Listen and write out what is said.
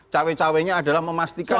cawe cawe nya adalah memastikan